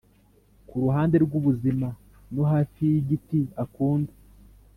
kuruhande rwubuzima, no hafi yigiti akunda;